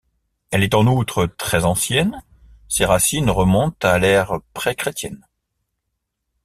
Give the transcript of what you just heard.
Elle est en outre très ancienne, ses racines remontent à l'ère pré-chrétienne.